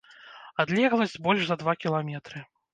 Адлегласць больш за два кіламетры.